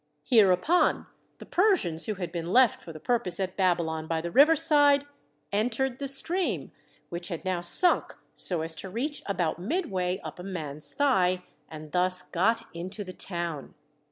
Hereupon the Persians who had been left for the purpOvSe at Babylon by the river side, entered the stream, which had now sunk so as to reach about midway up a man's thigh, and thus got into the town.